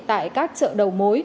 tại các chợ đầu mối